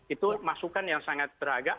itu masukan yang sangat beragam